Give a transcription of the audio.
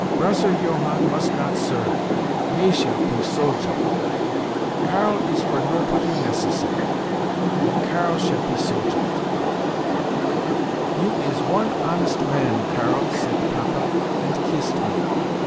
Broser Johann must not serve; me shall pe Soldat. Karl is for nopoty necessary, and Karl shall pe Soldat.' "'You is one honest man, Karl,' sayt Papa, ant kiss me.